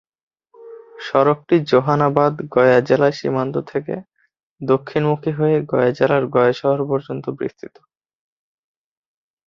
সড়কটি জেহানাবাদ-গয়া জেলা সীমান্ত থেকে দক্ষিণমুখী হয়ে গয়া জেলার গয়া শহর পর্যন্ত বিস্তৃত।